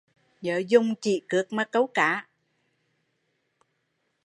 Dùng chỉ cước câu cá